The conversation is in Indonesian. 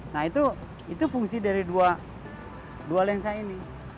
nah itu fungsi dari dua lensa ini